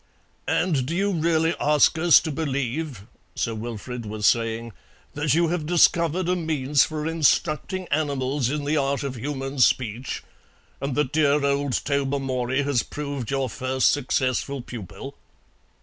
"And do you really ask us to believe," Sir Wilfrid was saying, "that you have discovered a means for instructing animals in the art of human speech, and that dear old Tobermory has proved your first successful pupil?"